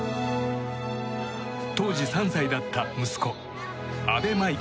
当時３歳だった息子阿部真生